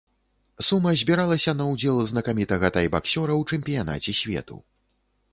Сума збіралася на ўдзел знакамітага тайбаксёра ў чэмпіянаце свету.